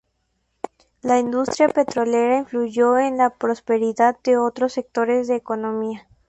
La industria petrolera influyó en la prosperidad de otros sectores de economía.